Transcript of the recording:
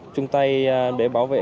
chung tay để bảo vệ